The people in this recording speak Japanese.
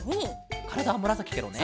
からだはむらさきケロね。